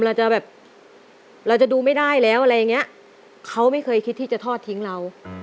เราจะแบบเราจะดูไม่ได้แล้วอะไรอย่างเงี้ยเขาไม่เคยคิดที่จะทอดทิ้งเรา